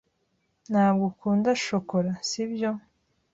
Ntabwo ukunda shokora, sibyo?